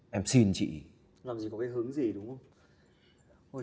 làm gì có cái hướng gì đúng không